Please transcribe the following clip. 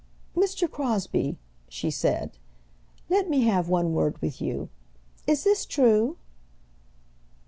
"Mr. Crosbie," she said, "let me have one word with you. Is this true?"